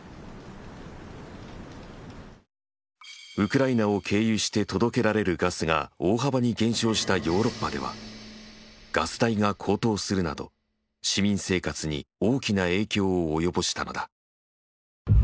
ウクライナを経由して届けられるガスが大幅に減少したヨーロッパではガス代が高騰するなど市民生活に大きな影響を及ぼしたのだ。